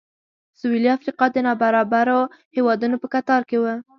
سوېلي افریقا د نابرابرو هېوادونو په کتار کې و.